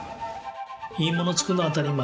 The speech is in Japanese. いいもの作るのも当たり前。